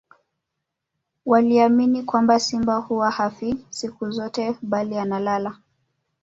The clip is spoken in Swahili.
waliamini kwamba simba huwa hafi siku zote bali analala